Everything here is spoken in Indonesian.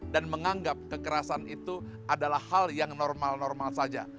dan menganggap kekerasan itu adalah hal yang normal normal saja